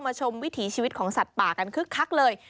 ชมวิถีชีวิตของสัตว์ป่ากันคึกคักเลย